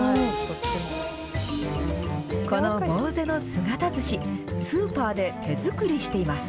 このボウゼの姿ずし、スーパーで手作りしています。